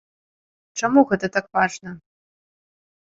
Чаму гэта так важна?